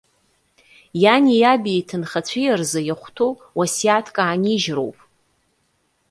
Иани, иаби, иҭынхацәеи рзы иахәҭоу уасиаҭк аанижьроуп.